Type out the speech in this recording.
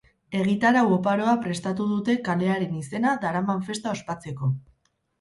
Egitarau oparoa prestatu dute kalearen izena daraman festa ospatzeko.